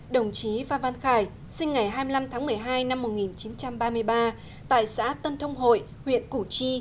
đồng chí phan văn khải sinh ngày hai mươi năm tháng một mươi hai năm một nghìn chín trăm ba mươi ba tại xã tân thông hội huyện củ chi